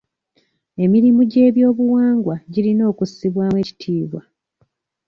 Emirimu gy'ebyobuwangwa girina okussibwamu ekitiibwa.